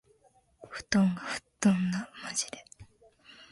布団が吹っ飛んだ。（まじで）